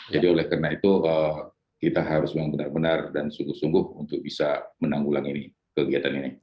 jadi oleh karena itu kita harus memang benar benar dan sungguh sungguh untuk bisa menanggulangi ini kegiatan ini